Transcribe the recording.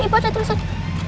ibu ada tulisan